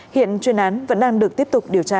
hiện chuyên án vẫn đang được tiếp tục điều tra